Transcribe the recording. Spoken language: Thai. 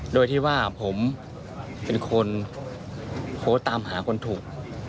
โดยที่ว่าผมเป็นคนโพสต์ตามหาคนถูก